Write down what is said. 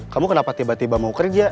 kamu kenapa tiba tiba mau kerja